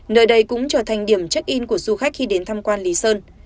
nơi đây cũng trở thành điểm check in của du khách khi đến thăm quan lý sơn